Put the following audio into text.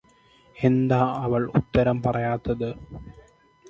എന്താ അവൾ ഉത്തരം പറയാത്തത്